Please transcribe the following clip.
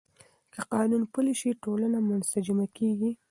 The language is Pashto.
که قانون پلی شي، ټولنه منسجمه کېږي.